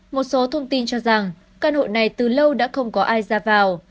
một số thông tin cho rằng căn hộ này từ lâu đã không có ai ra vào